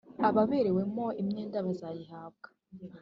Ababerewemo imyenda bazayihabwa.